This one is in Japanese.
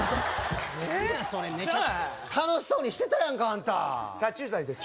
何やそれメチャクチャ楽しそうにしてたやんかアンタ殺虫剤です